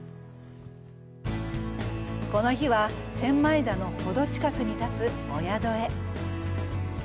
この日は千枚田のほど近くに立つお宿へ。